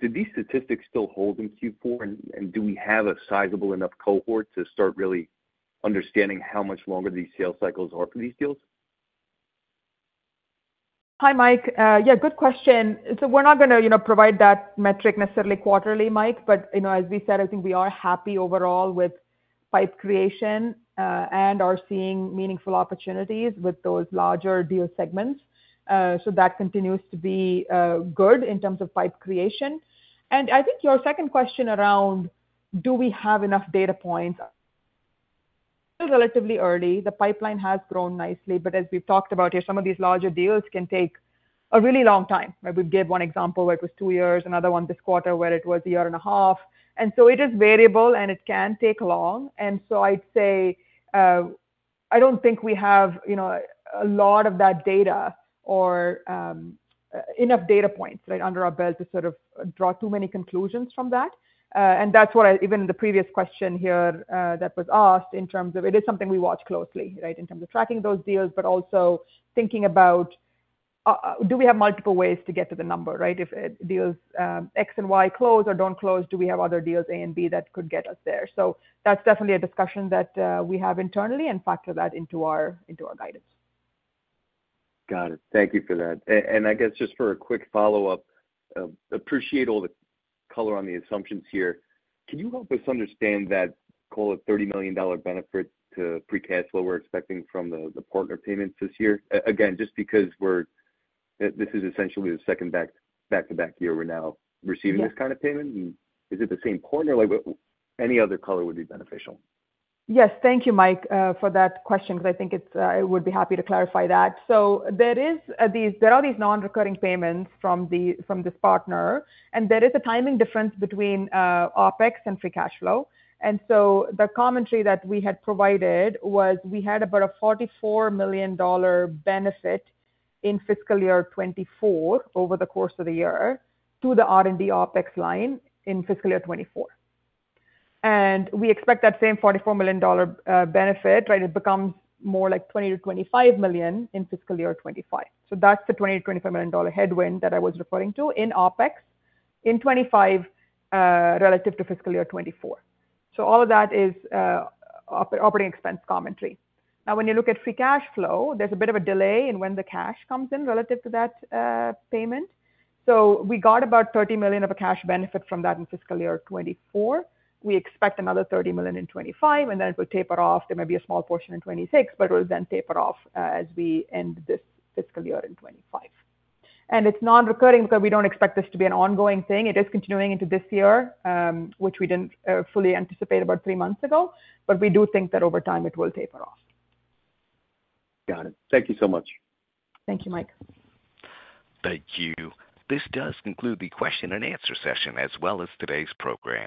Do these statistics still hold in Q4, and do we have a sizable enough cohort to start really understanding how much longer these sales cycles are for these deals? Hi, Mike. Yeah, good question. So we're not gonna, you know, provide that metric necessarily quarterly, Mike, but, you know, as we said, I think we are happy overall with pipe creation, and are seeing meaningful opportunities with those larger deal segments. So that continues to be good in terms of pipe creation. And I think your second question around, do we have enough data points? Relatively early, the pipeline has grown nicely, but as we've talked about here, some of these larger deals can take a really long time. I would give one example where it was two years, another one this quarter where it was a year and a half. And so it is variable, and it can take long. And so I'd say, I don't think we have, you know, a lot of that data or, enough data points, right, under our belt to sort of draw too many conclusions from that. And that's what I even in the previous question here, that was asked in terms of it is something we watch closely, right? In terms of tracking those deals, but also thinking about, do we have multiple ways to get to the number, right? If, deals, X and Y close or don't close, do we have other deals, A and B, that could get us there? So that's definitely a discussion that, we have internally and factor that into our guidance. Got it. Thank you for that. And I guess just for a quick follow-up, appreciate all the color on the assumptions here. Can you help us understand that, call it, $30 million benefit to free cash flow we're expecting from the partner payments this year? Again, just because we're, this is essentially the second back-to-back year we're now receiving- Yeah... this kind of payment. Is it the same quarter? Like, any other color would be beneficial. Yes. Thank you, Mike, for that question, because I think it's, I would be happy to clarify that. So there is, there are these non-recurring payments from the, from this partner, and there is a timing difference between, OpEx and free cash flow. And so the commentary that we had provided was we had about a $44 million benefit in fiscal year 2024 over the course of the year to the R&D OpEx line in fiscal year 2024. And we expect that same $44 million, benefit, right, to become more like $20-$25 million in fiscal year 2025. So that's the $20-$25 million headwind that I was referring to in OpEx in 2025, relative to fiscal year 2024. So all of that is, operating expense commentary. Now, when you look at Free Cash Flow, there's a bit of a delay in when the cash comes in relative to that payment. So we got about $30 million of a cash benefit from that in fiscal year 2024. We expect another $30 million in 2025, and then it will taper off. There may be a small portion in 2026, but it will then taper off as we end this fiscal year in 2025, and it's non-recurring because we don't expect this to be an ongoing thing. It is continuing into this year, which we didn't fully anticipate about three months ago, but we do think that over time it will taper off. Got it. Thank you so much. Thank you, Mike. Thank you. This does conclude the question and answer session as well as today's program.